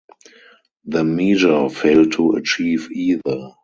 The measure failed to achieve either.